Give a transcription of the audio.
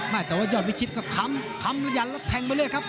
แต่ว่ายอดวิชิตก็ค้ำค้ำแล้วยันแล้วแทงไปเลยครับ